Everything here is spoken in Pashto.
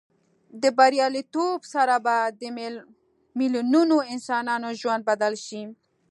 دې بریالیتوب سره به د میلیونونو انسانانو ژوند بدل شي.